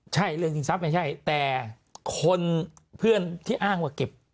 ใช่เรื่องชิงทรัพย์ไม่ใช่แต่คนเพื่อนที่อ้างว่าเก็บ